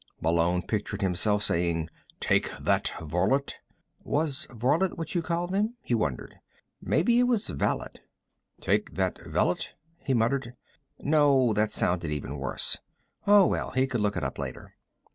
Malone pictured himself saying: "Take that, varlet." Was varlet what you called them? he wondered. Maybe it was valet. "Take that, valet," he muttered. No, that sounded even worse. Oh, well, he could look it up later.